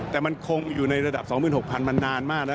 แต่มันคงอยู่ในระดับ๒๖๐๐มันนานมากแล้ว